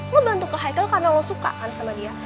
lo bantu kaikal karena lo suka kan sama dia